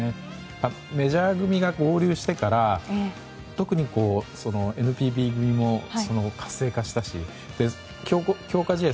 メジャー組が合流してから特に、ＮＰＢ組も活性化したし強化試合